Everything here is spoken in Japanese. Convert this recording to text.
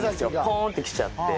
ポンッてきちゃって。